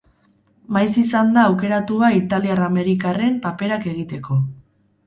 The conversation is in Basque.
Maiz izan da aukeratua italiar-amerikarren paperak egiteko.